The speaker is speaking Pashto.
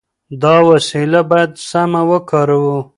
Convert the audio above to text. دا وسیله باید سمه وکاروو.